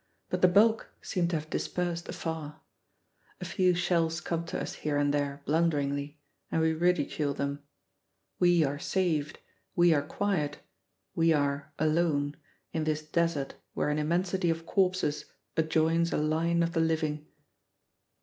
But the bulk seem to have dispersed afar. A few shells come to us here and there blunderingly, and we ridicule them. We are saved, we are quiet, we are alone, in this desert where an immensity of corpses adjoins a line of the living.